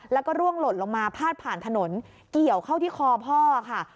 แล้วก็ร่วงหล่นลงมาพาดผ่านถนนเกี่ยวเข้าที่คอพ่อค่ะ